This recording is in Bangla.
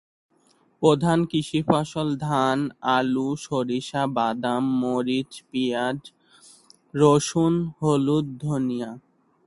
প্রধান কৃষি ফসল ধান, আলু, সরিষা, বাদাম, মরিচ, পিয়াজ, রসুন, হলুদ, ধনিয়া।